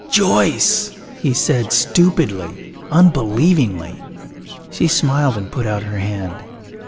"Joyce!" he said, stupidly, unbelievingly. She smiled and put out her hand.